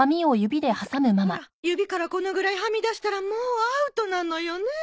ほら指からこのぐらいはみ出したらもうアウトなのよね。